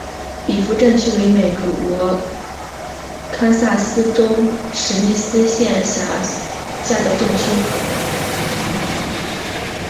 比弗镇区为美国堪萨斯州史密斯县辖下的镇区。